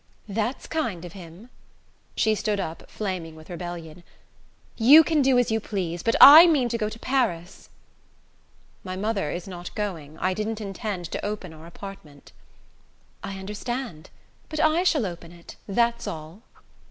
"That's kind of him!" She stood up, flaming with rebellion. "You can do as you please; but I mean to go to Paris." "My mother is not going. I didn't intend to open our apartment." "I understand. But I shall open it that's all!"